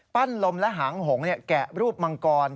ลมและหางหงแกะรูปมังกร